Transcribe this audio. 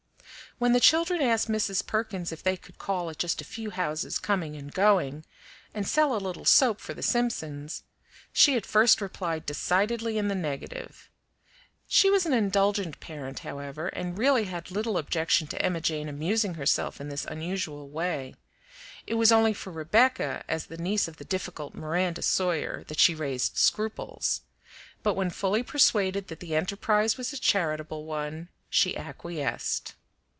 When the children asked Mrs. Perkins if they could call at just a few houses coming and going, and sell a little soap for the Simpsons, she at first replied decidedly in the negative. She was an indulgent parent, however, and really had little objection to Emma Jane amusing herself in this unusual way; it was only for Rebecca, as the niece of the difficult Miranda Sawyer, that she raised scruples; but when fully persuaded that the enterprise was a charitable one, she acquiesced.